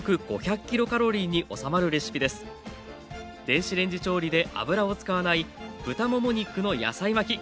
電子レンジ調理で油を使わない豚もも肉の野菜巻き。